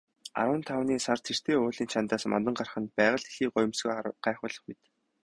Арван тавны сар тэртээ уулын чанадаас мандан гарах нь байгаль дэлхий гоёмсгоо гайхуулах мэт.